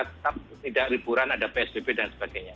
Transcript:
tetap tidak liburan ada psbb dan sebagainya